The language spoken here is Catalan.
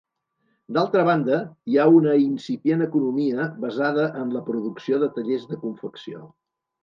D'altra banda hi ha una incipient economia basada en la producció de tallers de confecció.